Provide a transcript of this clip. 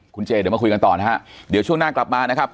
คุณเจเดี๋ยวมาคุยกันต่อนะฮะเดี๋ยวช่วงหน้ากลับมานะครับ